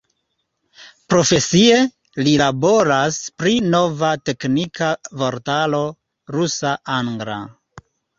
Profesie li laboras pri nova teknika vortaro rusa-angla.